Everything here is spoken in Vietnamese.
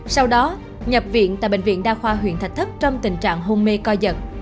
sau đó nhập viện tại bệnh viện đa khoa huyện thạch thất trong tình trạng hôn mê co giật